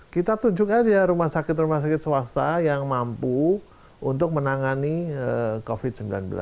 kita tunjuk aja rumah sakit rumah sakit swasta yang mampu untuk menangani covid sembilan belas